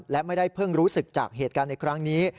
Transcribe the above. และไม่ได้เพิ่งรู้สึกจากเหตุการณ์ในครั้งนี้